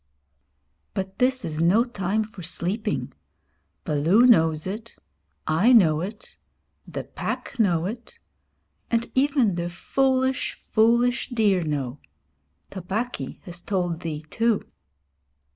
'But this is no time for sleeping. Baloo knows it; I know it; the Pack know it; and even the foolish, foolish deer know. Tabaqui has told thee, too.'